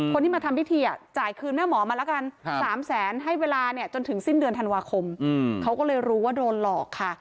คนที่มาทำพิธีจ่ายคืนแม่หมอมาแล้วกัน๓แสนให้เวลาเนี่ยจนถึงสิ้นเดือนธันวาคมเขาก็เลยรู้ว่าโดนหลอกค่ะ